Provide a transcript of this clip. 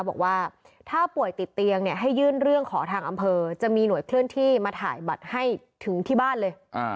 บอกว่าถ้าป่วยติดเตียงเนี่ยให้ยื่นเรื่องขอทางอำเภอจะมีหน่วยเคลื่อนที่มาถ่ายบัตรให้ถึงที่บ้านเลย